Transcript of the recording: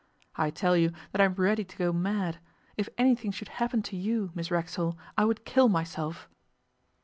I tell you that I am ready to go mad. If anything should happen to you, Miss Racksole, I would kill myself.